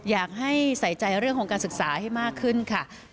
อยากให้ใส่ใจเรื่องของการศึกษาให้มากขึ้นค่ะ